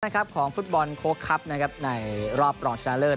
การเจอกันของฟุตบอลโค้กคลับในรอบรองชนะเลิศ